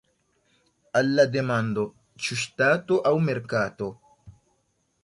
Al la demando "Ĉu ŝtato aŭ merkato?